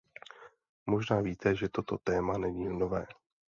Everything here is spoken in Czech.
Možná víte, že toto téma není nové.